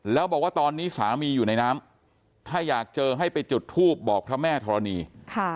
แล้วบอกว่าตอนนี้สามีอยู่ในน้ำถ้าอยากเจอให้ไปจุดทูบบอกพระแม่ธรณี